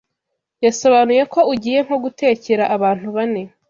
Yasobanuye ko ugiye nko gutekera abantu bane